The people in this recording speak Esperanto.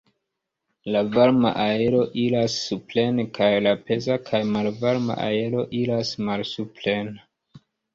La varma aero iras supren kaj la peza kaj malvarma aero iras malsupren.